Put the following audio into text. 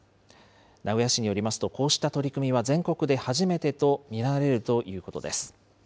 名古屋市によりますと、こうした取り組みは全国で初めてと見られるということです。